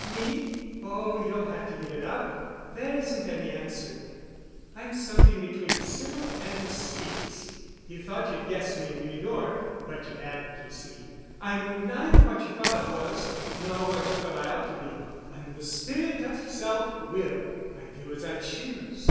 "Me? Oh, you'll have to give it up. There isn't any answer. I'm something between a sibyl and a sphinx. You thought you'd guessed me in New York, but you hadn't, you see. I'm neither what you thought I was, nor what you thought I ought to be. I'm the spirit of Self Will. I do as I choose.